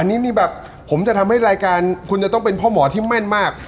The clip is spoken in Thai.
อันนี้มีแบบผมจะทำให้รายการคุณจะต้องเป็นพ่อหมอที่แม่นมาก